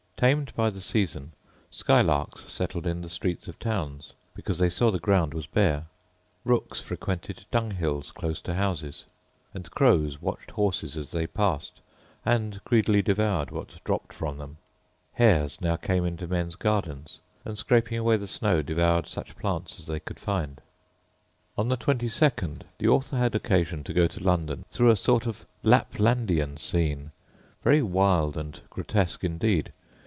Tamed by the season, skylarks settled in the streets of towns, because they saw the ground was bare; rooks frequented dunghills close to houses; and crows watched horses as they passed, and greedily devoured what dropped from them; hares now came into men's gardens, and, scraping away the snow, devoured such plants as they could find. On the 22nd the author had occasion to go to London through a sort of Laplandian scene, very wild and grotesque indeed.